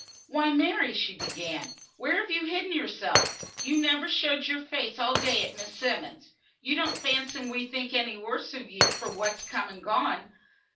"Why, Mary!" she began. "Where have you hidden yourself? You never showed your face all yesterday at Miss Simmonds'. You don't fancy we think any the worse of you for what's come and gone.